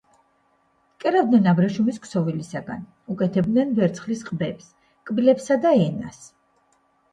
კერავდნენ აბრეშუმის ქსოვილისაგან, უკეთებდნენ ვერცხლის ყბებს, კბილებსა და ენას.